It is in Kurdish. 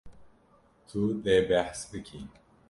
Tu dê behs bikî.